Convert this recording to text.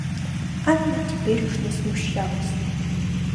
Анна теперь уж не смущалась.